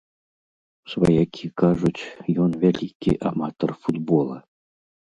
Сваякі кажуць, ён вялікі аматар футбола.